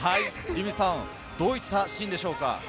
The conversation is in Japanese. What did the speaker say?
どういったシーンでしょうか？